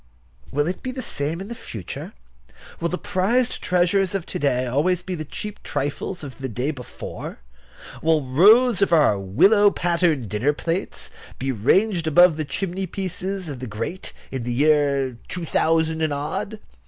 Will it be the same in the future? Will the prized treasures of to day always be the cheap trifles of the day before? Will rows of our willow pattern dinner plates be ranged above the chimneypieces of the great in the years 2000 and odd?